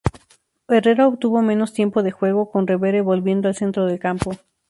Herrera obtuvo menos tiempo de juego, con Revere volviendo al centro del campo.